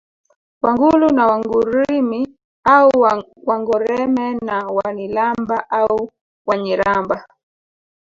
Wangulu na Wangurimi au Wangoreme na Wanilamba au Wanyiramba